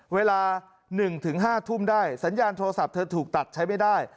เวลาหนึ่งถึงห้าทุ่มได้สัญญาณโทรศัพท์เธอถูกตัดใช้ไม่ได้